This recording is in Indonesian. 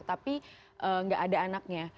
tapi nggak ada anaknya